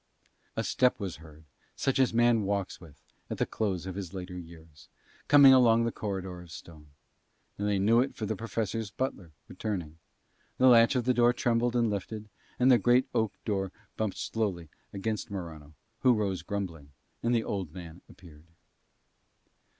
A step was heard such as man walks with at the close of his later years, coming along the corridor of stone; and they knew it for the Professor's butler returning. The latch of the door trembled and lifted, and the great oak door bumped slowly against Morano, who arose grumbling, and the old man appeared.